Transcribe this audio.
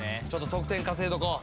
得点稼いどこう。